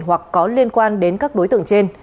hoặc có liên quan đến các đối tượng trên